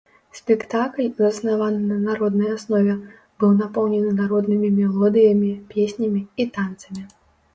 Спектакль, заснаваны на народнай аснове, быў напоўнены народнымі мелодыямі, песнямі і танцамі.